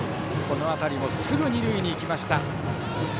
この辺りもすぐ二塁に行きました。